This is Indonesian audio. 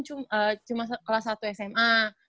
cuma kelas satu sma